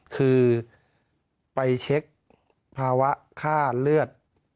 คือไปเช็คภาวะค่าเลือด